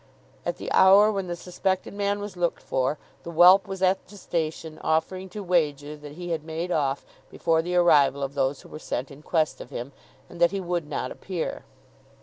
At the hour when the suspected man was looked for, the whelp was at the station; offering to wager that he had made off before the arrival of those who were sent in quest of him, and that he would not appear.